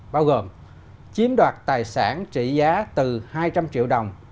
bao gồm chiếm đoạt tài sản trị giá từ hai trăm linh triệu đồng